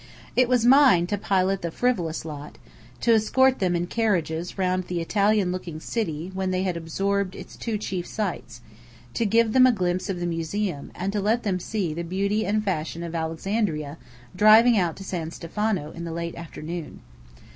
It was mine to pilot the "frivolous lot"; to escort them in carriages round the Italian looking city when they had absorbed its two chief sights; to give them a glimpse of the Museum, and to let them see the beauty and fashion of Alexandria driving out to San Stefano in the late afternoon.